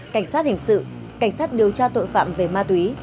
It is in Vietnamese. cảnh sát hình sự cảnh sát điều tra tội phạm về ma túy